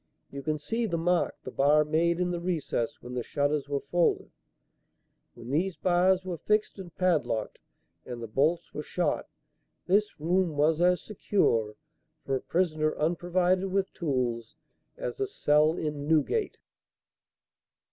You can see the mark the bar made in the recess when the shutters were folded. When these bars were fixed and padlocked and the bolts were shot, this room was as secure, for a prisoner unprovided with tools, as a cell in Newgate."